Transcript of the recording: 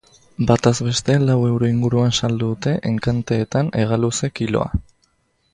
Batazbeste lau euro inguruan saldu dute enkanteetan, hegaluze-kiloa.